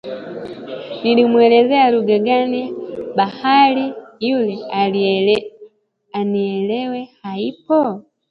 Nimueleze lugha gani baharia yule anielewe? Haipo